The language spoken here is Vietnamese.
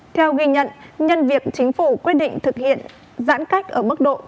theo ghi nhận nhân việc chính phủ quyết định thực hiện giãn cách xã hội theo chỉ thị một mươi sáu của thủ tướng chính phủ